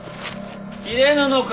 斬れぬのか？